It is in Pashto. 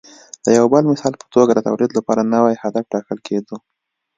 د یو بل مثال په توګه د تولید لپاره نوی هدف ټاکل کېده